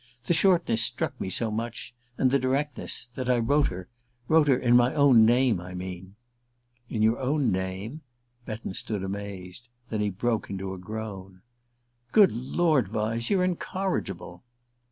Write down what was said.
The shortness struck me so much and the directness that I wrote her: wrote in my own name, I mean." "In your own name?" Betton stood amazed; then he broke into a groan. "Good Lord, Vyse you're incorrigible!"